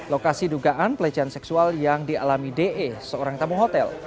lokasi dugaan pelecehan seksual yang dialami de seorang tamu hotel